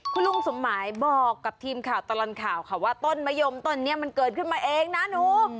คุณลุงสมหมายบอกกับทีมข่าวตลอดข่าวค่ะว่าต้นมะยมต้นนี้มันเกิดขึ้นมาเองนะหนู